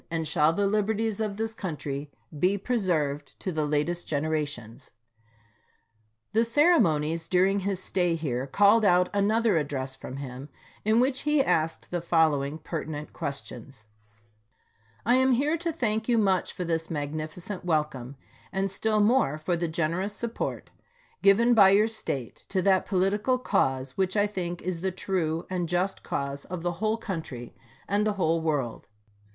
and shall the liberties of this country be preserved to the latest generations. The ceremonies during his stay here called out another address from him, in which he asked the following pertinent questions: I am here to thank you much for this magnificent wel come, and still more for the generous support given by your State to that political cause which I think is the true and just cause of the whole country and the whole world.